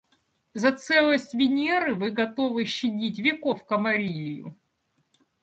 За целость Венеры вы готовы щадить веков камарилью.